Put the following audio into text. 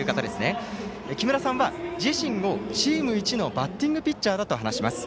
きむらさんは自身をチーム、一のバッティングピッチャーだと話します。